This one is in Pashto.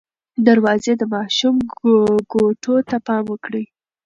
دروازې د ماشوم ګوتو ته پام وکړئ.